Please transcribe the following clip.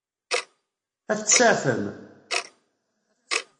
Ad t-tseɛfem?